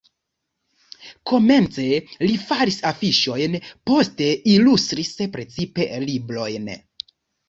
Komence li faris afiŝojn, poste ilustris precipe librojn.